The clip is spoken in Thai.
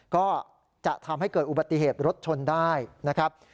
ก็จะทำให้เกิดอุบัติเหตุรถชนได้นะครับ